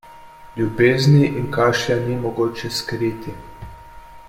Ljubezni in kašlja ni mogoče skriti.